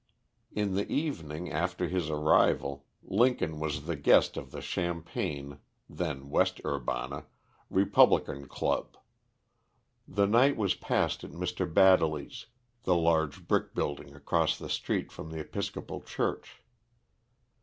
In the evening, after his arrival, Lincoln was the guest of the Champaign (then West Urbana) Republican club. The night was passed at Mr. Baddely's, the large brick building across the street from the Episcopal church.